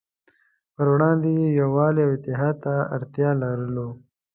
پروړاندې یې يووالي او اتحاد ته اړتیا لرو.